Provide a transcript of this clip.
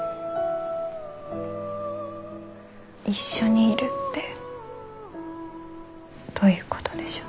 一緒にいるってどういうことでしょう。